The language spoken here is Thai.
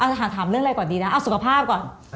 ถามเรื่องอะไรก่อนดีนะเอาสุขภาพก่อน